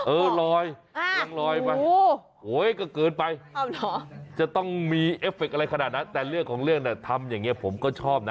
เออลอยยังลอยไปโอ้โหก็เกินไปจะต้องมีเอฟเฟคอะไรขนาดนั้นแต่เรื่องของเรื่องน่ะทำอย่างนี้ผมก็ชอบนะ